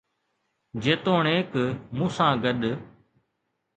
جيتوڻيڪ مون سان گڏ